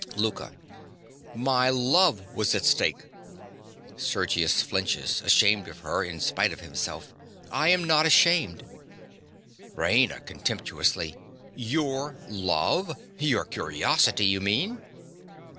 LOUKA. My love was at stake. (Sergius flinches, ashamed of her in spite of himself.) I am not ashamed. RAINA. (contemptuously). Your love! Your curiosity, you mean.